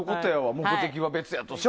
目的は別としても。